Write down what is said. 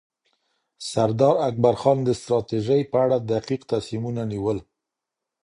سردار اکبرخان د ستراتیژۍ په اړه دقیق تصمیمونه نیول.